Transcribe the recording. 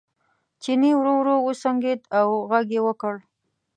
چیني ورو ورو وسونګېد او غږ یې وکړ.